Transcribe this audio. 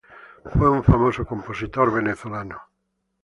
Fue un famoso compositor venezolano.